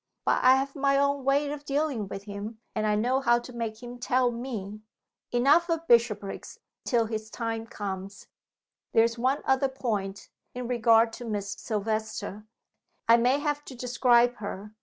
But I have my own way of dealing with him and I know how to make him tell Me. Enough of Bishopriggs till his time comes. There is one other point, in regard to Miss Silvester. I may have to describe her.